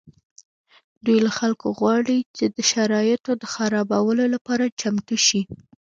دوی له خلکو غواړي چې د شرایطو د خرابولو لپاره چمتو شي